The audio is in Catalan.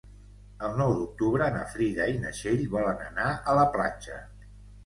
El nou d'octubre na Frida i na Txell volen anar a la platja.